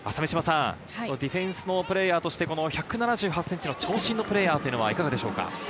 ディフェンスのプレーヤーとして１７８ｃｍの長身のプレーヤーはいかがでしょうか？